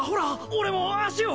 俺も脚を！